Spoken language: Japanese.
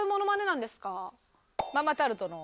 ママタルトの。